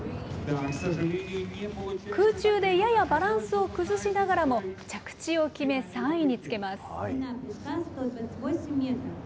空中でややバランスを崩しながらも、着地を決め、３位につけます。